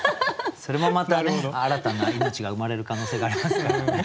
それもまたね新たな命が生まれる可能性がありますからね。